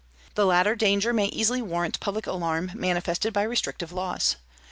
The latter danger may easily warrant public alarm manifested by restrictive laws.